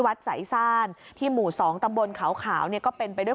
สายซ่านที่หมู่๒ตำบลขาวเนี่ยก็เป็นไปด้วย